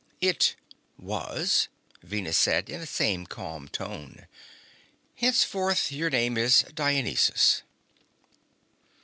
"It was," Venus said, in the same calm tone. "Henceforth, your name is Dionysus."